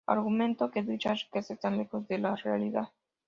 Argumentó que dichas riquezas están "lejos de la realidad".